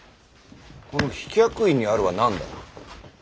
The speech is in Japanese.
この飛脚印にあるは何だ？